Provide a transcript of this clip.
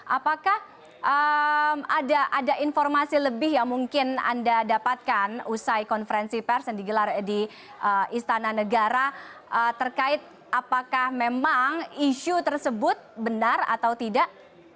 apakah ada informasi lebih yang mungkin anda dapatkan usai konferensi pers yang digelar di istana negara terkait apakah memang isu tersebut benar atau tidak